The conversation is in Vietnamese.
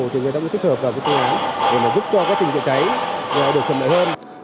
thì người ta cũng thích hợp vào cái chữa cháy để giúp cho quá trình chữa cháy được phần lợi hơn